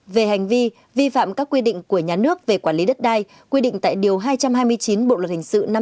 về hành vi vi phạm các quy định của nhà nước về quản lý đất đai quy định tại điều hai trăm hai mươi chín bộ luật hình sự năm hai nghìn một mươi năm